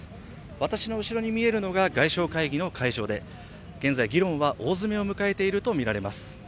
私の後ろに見えるのが外相会議の会場で現在議論は大詰めを迎えているとみられます。